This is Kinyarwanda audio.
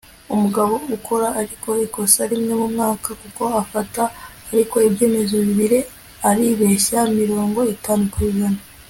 Umugabo ukora ariko ikosa rimwe mumwaka kuko afata ariko ibyemezo bibiri aribeshya mirongo itanu kwijana